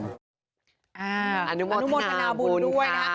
อนุโมทนาบุญด้วยนะครับ